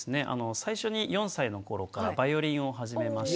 最初に４歳のころからバイオリンを始めまして。